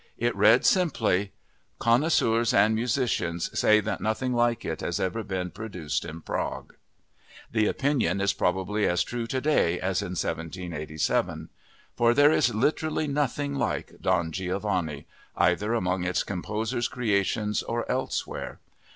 It read simply: "Connoisseurs and musicians say that nothing like it has ever been produced in Prague." The opinion is probably as true today as in 1787. For there is literally nothing like Don Giovanni, either among its composer's creations or elsewhere.